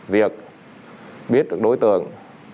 việc biết được đối tượng